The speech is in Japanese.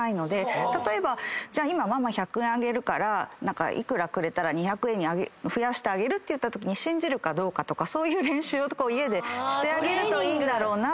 例えば「ママ１００円あげるから幾らくれたら２００円に増やしてあげる」と言ったときに信じるかどうかとかそういう練習家でしてあげるといいんだろうなと思うんですよね。